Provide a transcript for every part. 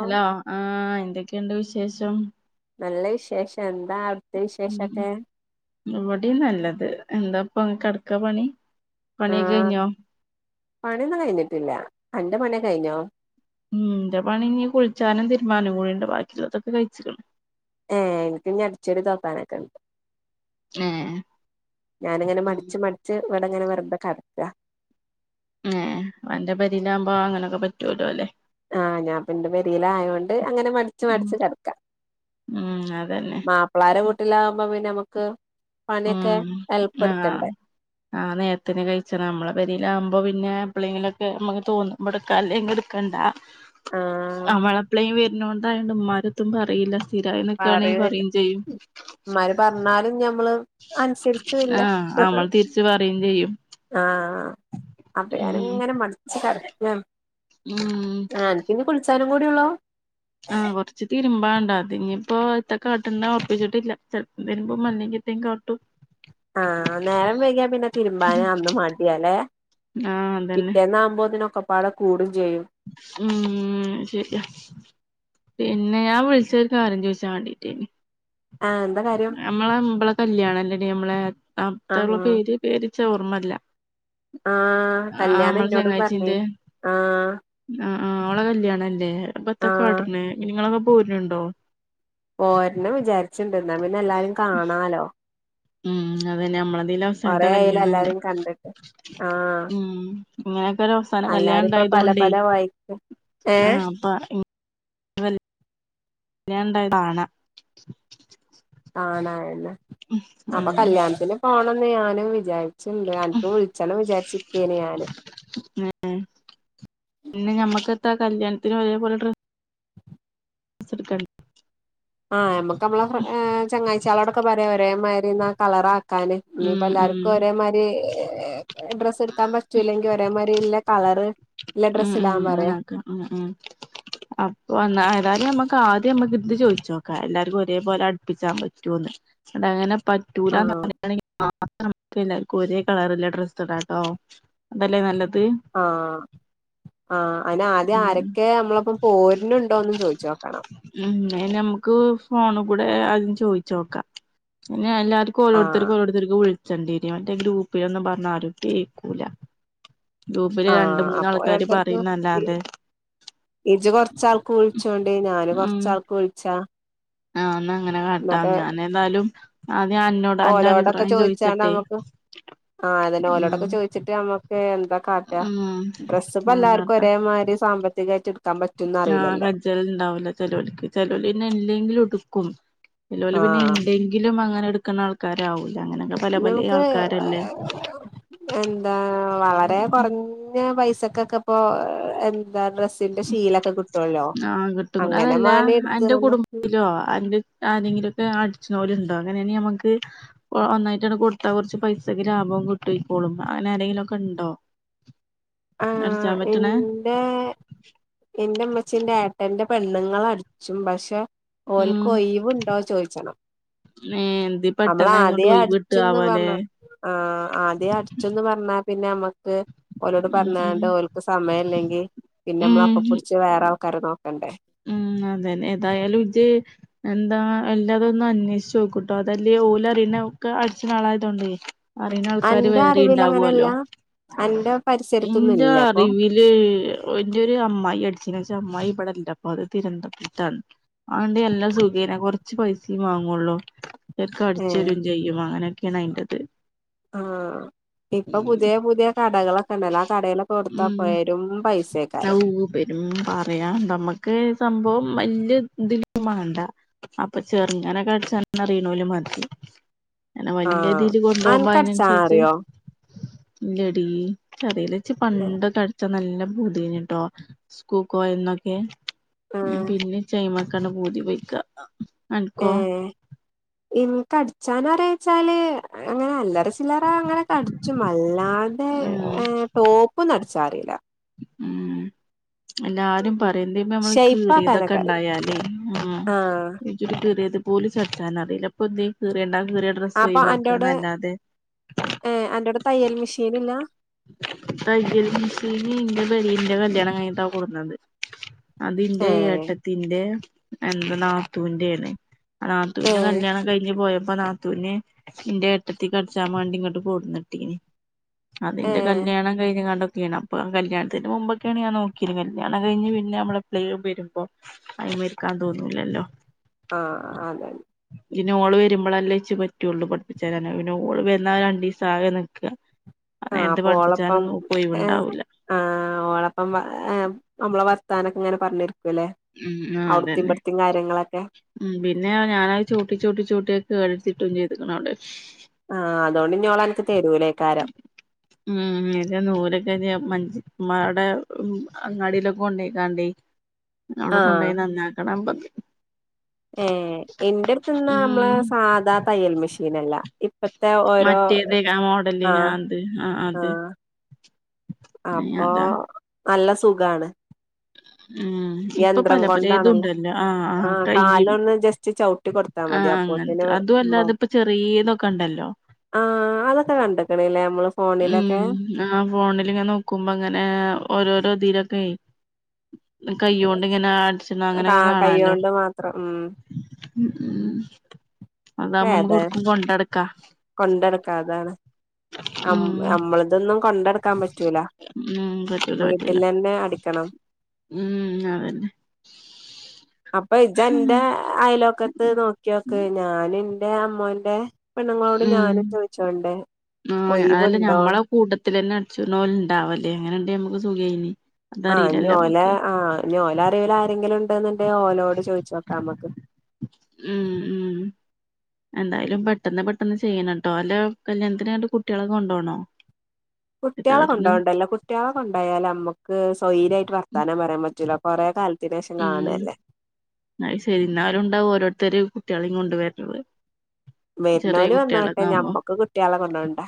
Hello ആഹ് എന്തൊക്കെയുണ്ട് വിശേഷം നല്ല വിശേഷം എന്താ അവി ഉം ഇവിടെം നല്ലത് എന്താ ഇപ്പൊ കിടക്കാ പണി പണിയൊക്കെ ആഹ് കഴിഞ്ഞോ പണിയൊന്നും കഴിഞ്ഞിട്ടില്ല അന്റെ പണി കഴിഞ്ഞോ? ഉം ന്റെ പണി ഇഞ്ഞി കുളിച്ചാനും തീരുമ്പാനും കൂടിണ്ട് ബാക്കിയുള്ളതൊക്കെ കഴിച്ചണ് ഏഹ് എനിക്ക് ഇനി അടിച്ച്വാരി തൊടക്കാനൊക്കെണ്ട് ഏഹ് ഞാനങ്ങനെ മടിച്ച് മടിച്ച് വ അങ്ങനെ വരമ്പ കററ്റാ ഏഹ് അവന്റെ പെരേയിലാകുമ്പോ അങ്ങനൊക്കെ പറ്റൂലോ അല്ലേ. ആഹ് ഞാൻ പെന്റെ പെരേലായൊണ്ട് അങ്ങനെ മടിച്ച് ഉം മടിച്ച് കിടക്കാം. ഉം അതന്നെ മാപ്പിളാര വീട്ടിലാകുമ്പോ പിന്നമ്മുക്ക് ഉം ആഹ് ആഹ് നേത്തിന് കഴിച്ചണം നമ്മളെ പെരിലാകുമ്പ അപ്പോൾ പിന്നെ എപിളെങ്കിലൊക്കെ നമുക്ക് തോന്നുമ്പ എടുക്കാല്ലേ അല്ലെങ്കി എടുക്കണ്ട. ആഹ് അവളെപ്പളെയും വരുണോണ്ടായോണ്ട് ഉമ്മാട്ത്തും പറയില്ല. സ്ഥിരായി നിക്കാണെങ്കി പറയൂല്ല പറയും ചെയ്യും. ഇമ്മാര് പറഞ്ഞാലും ഞമ്മള് അനുസരിച്ചുല്ല ആഹ് അമ്മ തിരിച്ച് പറയും ചെയ്യും. അപ്പ ഞാന് ഉം ഇങ്ങനെ മടിച്ച് കെടക്കാണ് ഉം ആഹ് ഇനി കുളിച്ചാലോ. കൂടിയുള്ളോ ആഹ് കൊറച്ച് തിരുമ്പാണ്ട് അതിഞ്ഞിപ്പോ എത്ത കാട്ടണ്ട ഉറപ്പിച്ചിട്ടില്ല ചെലപ്പ വരുമ്പോ മന്നിക്കി ന്തേ ങ്കാട്ടും ആഹ് നേരം വൈകിയാ പിന്നെ തിരുമ്പാനെ അന്ന് മടിയാല്ലെ ആഹ് അതന്നെ പിറ്റേന്നാവുമ്പോ അതിനൊക്കെ പാടെ കൂടും. ചെയ്യും ഉം ശരിയാ പിന്നെ ഞാൻ വിളിച്ചഹ് കാര്യം ചോദിച്ചാ വേണ്ടിട്ടേന് ആഹ് എന്താ കാര്യം അമ്മളെ അമ്പ്ളെ കല്യാണം ഇല്ലടി നമ്മളെ അപ്ത്ത ഉള്ള ആഹ് ആഹ് പേര് പേര് ച്ച് ഓർമ്മല്ല ആഹ് ആഹ് കല്യാണം നമ്മളെ എന്നോടും ചങ്ങാഴ്ച്ചീന്റെ പറഞ്ഞെനു ആഹ് ആഹ് ആഹ് ഓളെ കല്യാണല്ലേ ആഹ് അപ്പെത്തക്കാട്ടണെ നിങ്ങളൊക്കെ പൂരിനുണ്ടോ പോര്നോ വിചാരിച്ചിണ്ട് ന്നാ പിന്നെ എല്ലാരും കാണാലോ ഉം അത തന്നെ നമ്മളതിൽ അവസാനത്തെ കൊറേ ആയിലെ കല്യാണംല്ലേ എല്ലാരിം കണ്ടിട്ട് ആഹ് ഉം ഇങ്ങനെയൊക്കെ ഒര് അവസാന കല്യാണം എല്ലാരും ഇപ്പ പല ണ്ടായതോണ്ടേ പല വഴിക്ക് ഏഹ് ആഹ് അപ്പ ങ് [unintelligible] ല്ല്യാൺണ്ടായകാണ കാണാ അഎന്നെ അപ്പൊ ഉം കല്യാണത്തിന് പോണംന്ന് ഞാനും വിചാരി ച്ണ്ട് അൻക്ക് വിളിച്ചണം വിചാരിച്ചിക്കേന് ഞാന് ഏഹ് പിന്നെ ഞമ്മക്കത്ത കല്യാണത്തിന് ഒരേപോലെ ഡ്ര സടുക്ക ആഹ് നമ്മുക്ക് അമ്മള ഫ്രഏഹ് ചങ്ങാഴ്ചളോടൊക്കെ പറയാ ഒരേമാതിരിന്നാ കളറ കാന് ഉം ഇനിയിപ്പോ ഉം എല്ലാർക്കും ഒരേമാതിരി എഹ് ഡ്രസ്സ് എടുക്കാൻ പറ്റൂല്ലെങ്കിൽ ഒരേമാതിരി ഇല്ല കളറ് ഇല്ല ഉം ഡ്രസ്സ് ഉം ഇടാൻ പറയാ അങ്ങനാക്ക ഉം ഉം അപ്പൊന്ന ഏതായാലും നമ്മക്ക് ആ ദ്യം നമക്ക് ഇത് ചോയ്ച്ചോക്കാ എല്ലർക്കും ഒരേപോലെ അടുപ്പിച്ചാൻ പറ്റോന്ന് അങ്ങനെ പറ്റൂലന്ന് ആഹ് പറയയാണെങ്കിൽ മാത്രം നമ്മക് ഒരേ കളറില ഡ്രസ്സ്ടാൻ ഓ അതല്ലേ നല്ലത് ആഹ ആഹ അനെ ആദ്യം ഉം ആരൊക്കെ നമ്മളൊപ്പം പോരനുണ്ടോന്ന് ചോയിച്ചു നോക്കണം ഉ അെ നമുക്ക് ഫോണ കൂടെ അതും ചോദിച്ച നോക്കാം പിന്നെ എല്ലാവർക്കും ആഹ് ഓരോരുത്തർക്ക് ഓരോരുത്തർക്ക് വിളിച്ച ചണ്ടീരിവന്റെ ഗ്രൂപ്പിലൊന്നന്ന് പറഞ്ഞാൽ ആരും കേക്കൂല ഗ്രൂപ്പില് രണ്ട് ആഹ അപ്പൊ മൂന്നാൾക്കാര് അയാൾക്കാർക്ക് പറയുന്നല്ലാതെ ഇജ്ജ് കൊറച്ചാൾക്ക് വിളിച്ചോണ്ട് ഞാൻ കൊറച്ചാൾക്ക് വിളിച്ചാ ആഹ എന്നാ അങ്ങനെ കാട്ടാം എന്നിട്ട് ഞാൻ ഏതായാലും ആദ്യം എന്നോട് അന്റെ ഓലോടൊക്കെ അഭിപ്രായം ചോദിച്ചാണ്ട് ചോയിച്ചിട്ടെ നമ്മുക്ക് ആഹ് അതെ ഓലോടൊക്കെ ചോദിച്ചിട്ട്മ്മക്ക് എന്താ കാട്ട ഉം ഡ്രസ്സ് ഇപ്പ എല്ലാവർക്കും ഒരേമാതിരി സാമ്പത്തികമായിട്ട ആഹ കജെജലുണ്ടാവൂല ചെലോലിക്ക് ചെലോലിന്നെ ഇല്ലെങ്കിലും എടുക്കും ഇല്ലപലെ പിന്നെ ആഹ് എന്തെങ്കിലും അങ്ങനെ എടുക്കുന്ന ആൾക്കാരാവില്ല അങ്ങനൊക്കെ പല പല നമുക്ക് ആൾക്കാരല്ലേ എന്താ വളരെ ഉം കുറഞ്ഞ പൈസക്കൊക്കെ ഇപ്പൊ എ എന്താ ഡ്രെസ്സിന്റെ ശീലൊക്കെ കിട്ടുവല്ലോ ആഹ് കിട്ടും കിട്ടും അങ്ങനെ അതല്ല മാണെങ്കി എടുത്ത ആരെെങ്കിലുമൊക്കെ അടിച്ചുന്നോലുണ്ടോ അങ്ങന ആണെങ്കിൽ നമുക്ക് ഒന്നായിട്ടാണ് കൊടുത്ത കുറച്ച് പൈസക്ക് ലാഭം കിട്ടും ഇപ്പോോളും അങ്ങനെ ആരെങ്കിലും ഒക്കെ ഉണ്ടോ കണ്ടോ ആഹ എന്റെ എന്റെ അമ്മച്ചന്റെ ഏട്ടന്റെ പെണ്ണുങ്ങൾ അടിച്ചും പക്ഷെ ഉം ഓല്ക്കോയവുണ്ടോ ചോദിച്ചണം ഏഹ് എന്തേ നമ്മൾ പെട്ടെന്നായതോണ്ട് ആദ്യേ ഒഴിവ് അടിച്ചന്ന് കിട്ടാവോലേ പറഞ്ഞ ആ ആദ്യേ അടിച്ചന്ന് പറഞ്ഞാ പിന്നെ നമ്മക്ക് ഓരോട് ഉം പറഞ്ഞണ്ട് ഓലക്ക് സമയം ഇല്ലെങ്കിൽ പിന്നെ നമ്മൾ ഉം അപ്പ പിടിച്ച് ഉം വേറെ കറി നോക്കണ്ടേ ഉം അതെതെ ഏതായാലും ഇത് എന്താ എല്ലാതൊന്നും അന്വേഷിച്ചച്ച് നോക്കട്ടോ അതല്ലേ ഓൽ അറിയുന്ന ഒക്കെ അടിച്ച നാളായതോണ്ടേ അറിയുന്ന ആൾക്കാര് അന്റെ വേറെ അറിവിൽ അങ്ങനെയല്ല ഇണ്ടാവുവല്ലോ അന്റെ പരിസരത്തൊന്നും എന്റെ ഇല്ല അപ്പൊ അറിവില് എന്റെ ഒരു അമ്മായി അടിച്ച വെച്ച അമ്മായി ഇവിടെല്ല അ അത് തിരന്തപുരത്തു ആണ് ആണ്ട് എല്ലാം സുഖേന കൊറച്ച് പൈസയും വാങ്ങുള്ളൂ ശരിക്ക അടിച്ചു ഏഹ് തരയും ചെയ്യും അങ്ങനെയൊക്കെയാണ് അതിന്റെ ത് ആഹ ഇപ്പൊ പുതിയ പുതിയ കടകളൊക്കെ ഉണ്ടല്ല ആ കടകളൊക്കെ കൊടുത്താ പോരും പൈസക്കാരും പരും പറയാൻ നമുക്ക് സംഭവം വലിയ ഇതില വേണ്ട അപ്പൊ ചെറുങ്ങാനൊക്കെ അടിച്ച തെറീണല മതി അനെ വലിയ ആഹ് രീതിൽ കൊണ്ടുപോകുമ്പോ അനക്ക് അടിച്ചാൻ അതിനനുസരിച്ച് അറിയോ ഇല്ലടി നിക്കാറില്ല ഇച്ചി പണ്ട തടിച്ചാ നല്ല പതിഞ്ഞിട്ടോ സ്കൂക്കോ എന്നൊക്കെ ഏഹ് പിന്നെ ചൈമ കനഭൂതി പോയിക്ക ഏ അൻക്കോ ഇൻക്ക് അ ടിച്ചൻ അറീയോച്ചാല് അങ്ങനെ അല്ലറ ചിലറ അങ്ങനെക്കെ അടിച്ചും അല്ലാതെ ഉം ടോപ്പും അടിച്ചാ അറിയില്ല ഉം എല്ലാരും പറയുന്ന് പ്പമ്മള് ഷെയ്പ്പാക്കാനൊക്കെ അറിയും കീറിതൊക്കെണ്ടായാലേ ഉം ആഹ് കീറിത് പോലും അടിച്ചാൻ അറീല്ല അപ്പോതീ കീറണ്ട പ്പൊ അൻ്റോടെ ഏ അൻ്റോടെ തയ്യൽ മെഷീൻഇല്ല തയ്യൽ മിഷിന് ഇന്റെ കല്യാണം കയ്ഞ്ഞ്ട്ടാ കൊട്ന്നത് അതിൻ്റെ ഏഹ് ഏട്ടത്തിന്റെ എന്ത നാത്തൂന്റെണ് ആ നാത്തൂൻ്റെ ഏഹ് കല്യാണം കഴിഞ്ഞ് പോയപ്പോ നാത്തുന് ഇന്റെ ഏട്ടത്തിക്കട്ച്ചാൻ മാണ്ടി ഇങ്ങോട്ട് കൊടുന്നിട്ടീന് അതിന്റെ ഏഹ് കല്യാണം കഴിഞ്ഞ് കാണ്ട ക്കെണ് പ്പോ കല്യാണത്തിന്റെ മുമ്പൊക്കേണേ ഞാൻ നോക്കി കല്യാണം കഴിഞ് പിന്നെ നമ്മള് പ്ലേലും വരുമ്പോ അമയ്രിക്കാൻ തോന്നൂലല്ലോ ആഹ് അതെതെ പിന്നെ ഓള് വരുമ്പോൾ അല്ലേച്ച് പറ്റുള്ളൂ പഠിപ്പിച്ചേരാന് പിന്നെ ഓള് വന്നാ രണ്ടീസം ആകെ നിക്കാ ആ നേരത്ത് അപ്പൊ ഓളപ്പം പഠിപ്പിച്ചാനൊന്നും ഓക്ക് ഒഴിവുണ്ടാവൂല ആ ഓളപ്പം നമ്മള് ർത്താനൊക്കിങ്ങെനെ പറഞ്ഞി ഉം ആ അതന്നെ കാര്യങ്ങളൊക്കെ ഉ പിന്നെ ഞാനത് ചൂട്ടി ചൂട്ടി ചൂട്ടി കേടെട്സിട്ടും ഇനിഎടുക്കണൗടെ ആഹ് അതോണ്ട് ഇഞ്ഞോളനക്ക് തരൂലേക്കാരം ഉം എ നൂലൊക്കെ മഞ് മ്മാടെ ഉം അങ്ങാടിയിലൊക്കെ കൊണ്ടോയ്ക്കാണ്ടേ അവിടെ ആഹ് കൊണ്ടോയി നന്നാക്കണം ഏ എൻ്റെട്ത്ത്ന്ന നമ്മള് ഉം സാധാ തയ്യൽ മെഷീനല്ല ഇപ്പത്തെ ഓരോ മറ്റേത മോഡല് ആ അത് ആഹ് ആ അത് ഏ അപ്പൊ അതാ നല്ല സുഖാണ് ഉം ഇപ്പൊ യന്ത്രം പല പലേതും കൊണ്ടാണല്ലോ ണ്ടല്ലോ ആഹ് ആ കൈയും കാലൊന്ന് ജസ്റ്റ് ചവിട്ടി കൊടുത്താ മതി ആഹ് അപ്പോത്തിന് അങ്ങൻത്തെ അ ഇതുവല്ലാതെ ഇപ്പ ചെറീതൊക്കണ്ടല്ലോ ആ അതൊക്കെ കണ്ട് ഉം ആ ഫോണിൽങ്ങെ നോക്കുമ്പോ അങ്ങനെ ഓരോരോ ഇതിലൊക്കെ ആ കൈയോണ്ട്ങ്ങനെ അടിച്ചിണ ആ അങ്ങനെയൊക്കെ കാണാല്ലോ കൈയ്യോണ്ട് മാത്രം ഉം ഉം അതാമ്മം മ്മക്കൊടുക്കും കൊണ്ടടക്ക കൊണ്ടടക്കാതാണ് ഉം നമ്മളതൊന്നും കൊണ്ടടക്കാൻ പറ്റൂല ഉം പറ്റൂല പറ്റൂല വീട്ടിൽന്നെ അടിക്കണം ഉം അതന്നെ അപ്പൊ ഇജന്റെ അയലോക്കത്ത് നോക്കിയോക്ക് ഞാനും ന്റെ അമ്മോൻ്റെ പെണ്ണുങ്ങളോട് ഉം ഞാനും ചോയ്ച്ചോണ്ട് ആഹ് അതല്ല ഞമ്മളെന്നെ കൂട്ടത്തിലെന്ന അടിച്ച്ണോല്ണ്ടാവലേ അങ്ങനെണ്ടെങ്കി നമ്മക്ക് സുഖേനി. ആഹ് അതറിയില്ലല്ലോ ഇഞ്ഞോല നമ്മക്ക് ആഹ് ഇഞ്ഞോലറിവില് ആരെങ്കിലും ഉണ്ട് ന്ന് ണ്ടെ ഓലോട് ചോയിച്ചോക്കാ നമക്ക് ഉം ഉം എന്തായാലും പെട്ടെന്ന് പെട്ടെന്ന് ചെയ്യണട്ടോ. അല്ല കല്യാണത്തിന് ഇങ്ങട്ട് കുട്ട്യോളൊക്കെ കൊണ്ടോവണോ? കുട്ട്യാളെ കൊണ്ടോവണ്ടല്ലോ കുട്ട്യാളെ കൊണ്ടായാൽ നമ്മക്ക് സ്വൈരായിട്ട് വർത്താനം പറയാൻ പ റ്റൂല. കൊറെ കാലത്തിനേഷം കാണല്ലേ അഹ് ശരി. ഇന്നാലും ണ്ടാവും ഓരോരുത്തർ കുട്ട്യാളിം കൊണ്ട് വര്‌വ് വെര്‌നോല് വന്നോട്ടെ ഞമ്മക്ക് കുട്ട്യാളെ കൊണ്ടോവണ്ടാ.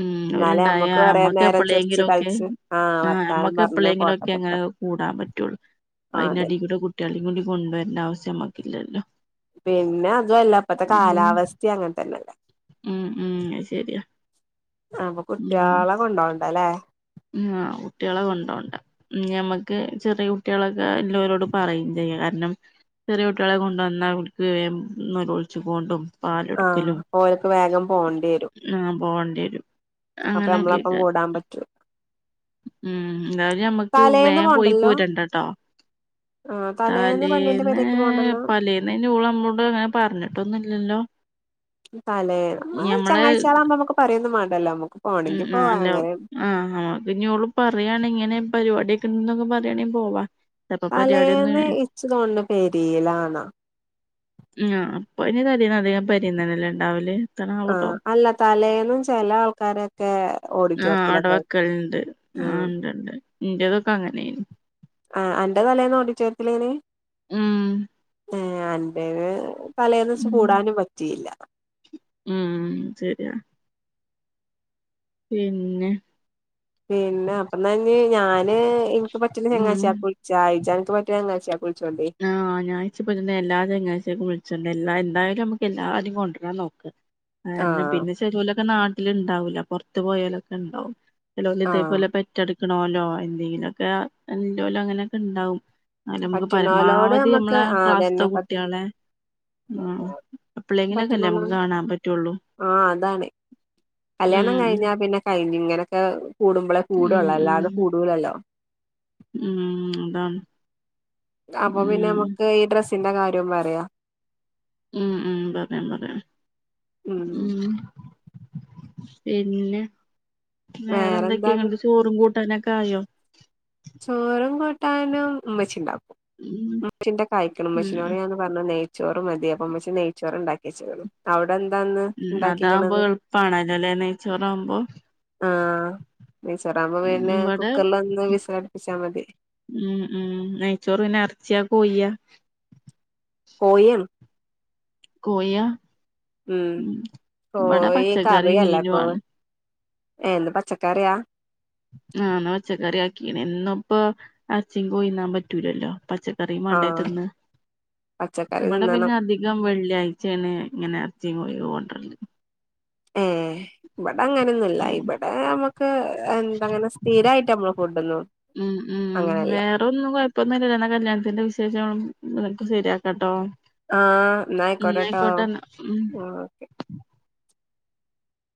ഉം ഇന്നാലേ ഓല്ണ്ടായാ നമ്മക്ക് കുറെ നേരം ചിർച്ച് എപ്പളേങ്കിലൊക്കെ കൾച്ച് ആഹ് വർത്താനം പറഞ്ഞ് ഫോട്ടൊക്കെ ഇങ്ങ കൂടാൻ പറ്റാള്ളൂ. അയ്ൻ്റെടീ അതന്നെ കൂടെ കുട്ട്യാളിം കൂടി കൊണ്ടുവരണ്ട ആവശ്യം നമ്മക്കില്ലല്ലോ. പിന്നെ അതു അല്ല ഇപ്പത്തെ ഉം കാലാവസ്ഥിം അങ്ങൻത്തന്നെല്ലേ ഉം ഉം അത് ശരിയാ അപ്പം കുട്ട്യാളെ കൊണ്ടോവണ്ടല്ലേ ആഹ് കുട്ട്യാളെ കൊണ്ടോ ണ്ട. ഇഞ്ഞമ്മക്ക് ചെറിയ കുട്ടിയേളൊക്കെ ഇല്ലോരോട് പറയും ചെ യ്യ. കാരണം ചെറിയ കുട്ടിയേളെ കൊണ്ട് വന്നാൽ ഓൽക്ക് വേം നൊലോൾച്ച്കോണ്ടും ആഹ് പാലൊടുക്കലും ഓല്ക്ക് വേഗം ആഹ് പോ അപ്പം യമ്മളപ്പം കൂടാൻ പറ്റൊ ഉം ന്തായാലും ഞമ്മക്ക് തലേന്ന് വേം പോയി പോണ്ടല്ലോ പോരണ്ടട്ടാ. ആഹ് പെണ്ണിന്റെ തലേന്ന് പെരേക്ക് പോണ്ടല്ലോ പലേന്നയ്ന് ഓള് മ്മളോട അങ്ങനെ പറഞ്ഞിട്ടൊന്നും ല്ലല്ലോ? തലേ അഹ് ചെങ്ങായ്ച്യാളാവുമ്പമ്മക്ക് പറയോന്നു വാണ്ടല്ലോ മ്മ ഉം ആഹ് അല്ല ആഹ് അമ്മക്ക്ഞ് ഓള് പറയാണെ ഇങ്ങനെ പരിവാടിയൊക്കെണ്ട് ന്നൊക്കെ പറയാണെ പോവാ. ചെലപ്പോ തലേന്ന് പരിപാടിയൊന്നും ഇച്ച് തോന്ന്ണ പെരീലാന്നാ. മ് ആഹ് ഇപ്പയ്ന് തലേന്ന വെ പെരിനല്ലെലെ ണ്ടാവല് ആഹ് അല്ല തലേന്നും [unintelligible] ചെല ആൾക്കാരൊക്കെ ആ ഇല്ല ഓഡിറ്റോറിയത്തിലൊക്കെ അടവക്കൽണ്ട് ഉം ആഹ് ണ്ട്ണ്ട് ഇന്റതൊക്കെ അങ്ങനെനി ആഈ അന്റെ തലയന്നോടിട്ടോര്ത്തിലെനി മ് ഏഹ് അന്റെത് തലേന്ന്ച്ച് കൂടാനും പറ്റിയില്ല ഉം ശരിയാ പിന്നെ പിന്നെ അപ്പന്നഞ് ഞാന് എൻക്ക് പറ്റ്ന്ന ഉം ചെങ്ങായ്ച്യാക്ക് വിൾച്ചാ [unintelligible] ആഹ് ഞാഴ്ച്ച പ് എല്ലാ ചെങ്ങാഴ്ച്ചക്കു വിളിച്ചർ എല്ലാ എന്തായാലും അമ്മക്ക് എല്ലാരി കൊണ്ടെരാൻ നോക്ക കാര്ണ ആഹ് പിന്നെ ചെലോലൊക്കെ നാട്ട് ല് ണ്ടാവൂല പൊർത്ത് പോയാലൊക്കെ ണ്ടാവും ചെലോല് ആഹ് ഇതേപോലെ പെറ്റട് ക്ക്ണോല്ലോ എന്തെങ്കിലൊക്കെ ഇല്ലോല് അങ്ങനെക്കെ ണ്ടാവും നമുഴ് പറ്റ്ണോലോട് പരമാവധി നമ്മക്ക് മ്മളെ ആഹ് ക്ലാസ്ത്തെ അതന്നെ പറ്റ് കുട്ട്യേളെ ആഹ് എപ്പള്ളേങ്കിലക്കല്ലെ അമ്മക്ക് പറ്റ്ണോലോട് കാണാൻ പറ്റുള്ളൂ. ആഹ് അതാണ് കല്യാണം ഉം കയിഞ്ഞാ പിന്നെ കഴിഞ് ഇങ്ങനോക്കെ കൂടുമ്പളെ കൂടള്ളൂ അല്ലാതെ കൂടൂലല്ലോ മ് അതാണ് അപ്പൊ പിന്നെ ഉം മക്ക് ഈ ഡ്രസ്സിന്റെ കാര്യോം പറയാ ഉം ഉം പറയാ പറയാ ഉം മ് പിന്നെ വേറെ എന്തൊക്കെ വേറെന്താ പി ങട്ട് ചോറും കൂട്ടാനൊക്കെ ആയോ ട്ടാനും ഇമ്മച്ചിണ്ടക്കും ഉം [unintelligible] കായ്ക്കണ് ഉം ഇമ്മചിനോട് ഞാ പർ ചോറ് മതി അപ്പം നെയ്ച്ചോറ് ണ്ടാക്കിച്ച്ക്ണ് അവ് അവിടെ എന്താന്ന് ഉം അതാവുമ്പോ ണ്ടാക്കിക്ണത് എളുപ്പാണല്ലോ അല്ലെ നെയ്ച്ചോറാവുമ്പോ ആഹ് നെയ്‌ച്ചോറാമ്പോ ഉം പിന്നെ ഇവിടെ കുക്കർ ള്ള് ഒന്ന് വിസിലട്പ്പിച്ച ഉം ഉം നയച്ചോറ് പിന്നെ എറച്ചിയ കൊയ്യ്യാ കോയം കൊയ്യാ ഉം ഓ കോയി പച്ചക്കറി കറിയല്ലെ മീനു പ്പൊ ആണ് ഏഹ് ന്ന് പച്ചക്കറിയാ ആഹ് ന്ന് പച്ചക്കറി ആക്കിണ് എന്നുപ്പൊ എർച്ചി കോയിന്നാ പറ്റൂലല്ലോ പച്ച കറി മണ്ടേ ആഹ് തിന്നാ പച്ചക്കറി ഇവടെ പിന്നെ തിന്നണം അധികം വെള്ളിയാഴ്ച്ചേണ് ഇങ്ങനെ എർച്ചി കോയി ഉം കൊണ്ടെര്ല് ഏഹ് വ ഇവിടെ അങ്ങനൊന്നുംല്ല ഇവടെ മ്മക്ക് എന്തങ്ങനെ സ്ഥിരായിട്ട് അമ്മള് [unintelligible] ഉം ഉം വേറെ ന്നും കൊയപ്പമൊന്നും ഇല്ലല്ലോ എന്ന കല്യാൺത്തിന്റെ വിശേഷങ്ങളും നിക് ശരിയാക്കട്ടോ ആഹ് ന്നായ്കൊട്ടെട്ടോ ഉം ഓ ഒക്കെ